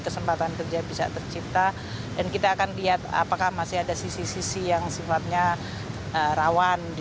kesempatan kerja bisa tercipta dan kita akan lihat apakah masih ada sisi sisi yang sifatnya rawan di